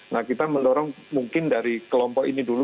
nah kita mendorong mungkin dari kelompok ini dulu